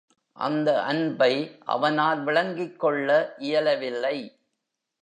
அந்த அன்பை அவனால் விளங்கிக் கொள்ள இயல வில்லை.